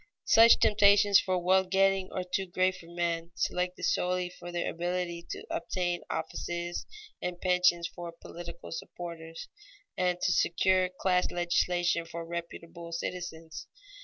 Such temptations for wealth getting are too great for men selected solely for their ability to obtain offices and pensions for political supporters, and to secure class legislation for reputable citizens.